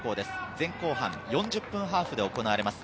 前・後半４０分ハーフで行われます。